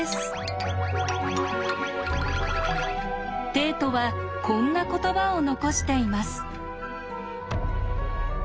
テイトはこんな言葉を残しています。